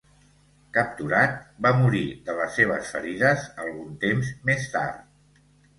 Capturat, va morir de les seves ferides algun temps més tard.